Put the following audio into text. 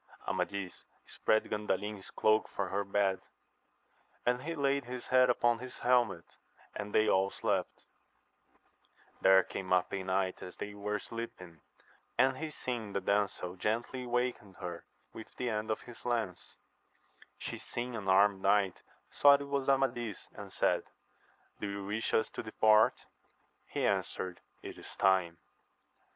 Amadis spread Gandalin's cloak for her bed, and he laid his head upon his helmet, and they all slept. There came up a kmg\i\) «»» \Jsi<e^ ^<st^ sleeping, and be seeing the damseiV, ^eofl^^ ^^«v>kft.^ 154 AMADIS OF GAUL. her with the end of his lance. She seeing an armed knight, thought it was Amadis, and said, Do you wish us to depart ? He answered, It is time